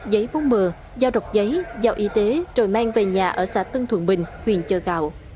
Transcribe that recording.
giấy vốn mờ giao đọc giấy giao y tế rồi mang về nhà ở xã tân thuận bình huyền chơ gạo